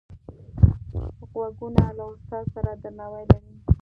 غوږونه له استاد سره درناوی لري